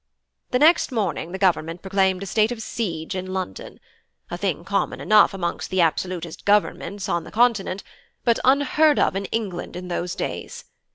"The next morning the Government proclaimed a state of siege in London, a thing common enough amongst the absolutist governments on the Continent, but unheard of in England in those days.